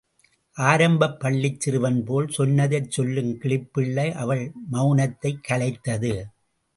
ஆரம்பப் பள்ளிச் சிறுவன் போல் சொன்னதைச் சொல்லும் கிளிப்பிள்ளை அவள் மவுனத்தைக் கலைத்தது.